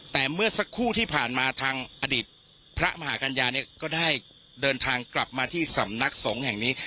แต่เมื่อสักครู่ที่ผ่านมาทางอดีตพระมหากัญญาเนี่ยก็ได้เดินทางกลับมาที่สำนักสงฆ์แห่งนี้